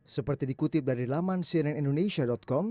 seperti dikutip dari laman cnnindonesia com